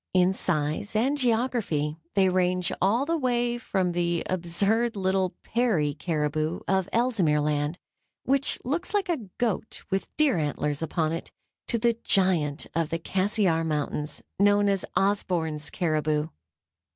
In size and geography they range all the way from the absurd little Peary caribou of Ellesmere Land, which looks like a goat with deer antlers upon it, to the giant of the Cassiar Mountains, known as Osborn's caribou.